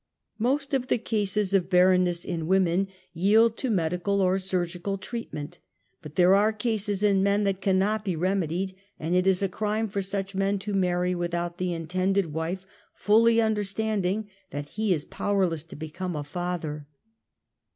Most of the cases of barrenness in women, yield BARRENNESS. 67 to medical or surgical treatment. But there are cases in men, that cannot be remedied, and it is a crime for such men to marrj without the intended wife fully understanding that he is powerless to be come a father.